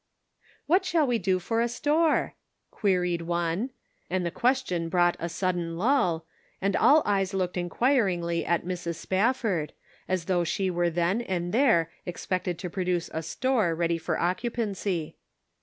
" What shall we do for a store ?" queried one, and the question brought a sudden lull, and all eyes looked inquiringly at Mrs. Spafford, as though she were then and there expected to produce a store ready for occupancy.